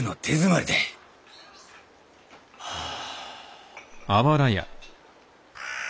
はあ。